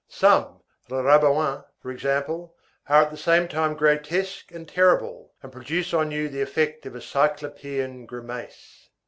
Some, le rabouin, for example, are at the same time grotesque and terrible, and produce on you the effect of a cyclopean grimace.